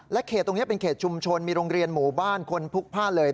เขตตรงนี้เป็นเขตชุมชนมีโรงเรียนหมู่บ้านคนพลุกพลาดเลย